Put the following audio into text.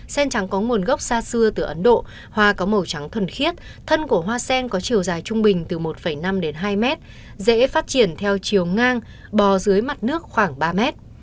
sen trắng có nguồn gốc xa xưa từ ấn độ hoa có màu trắng thuần khiết thân của hoa sen có chiều dài trung bình từ một năm đến hai mét dễ phát triển theo chiều ngang bò dưới mặt nước khoảng ba mét